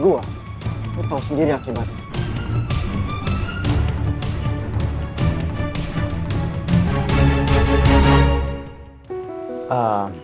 gue tahu sendiri akibatnya